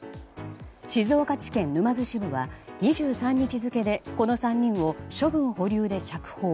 静岡地検沼津支部は２３日付でこの３人を処分保留で釈放。